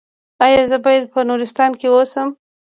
ایا زه باید په نورستان کې اوسم؟